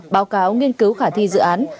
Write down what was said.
báo cáo nghiên cứu khả thi dự án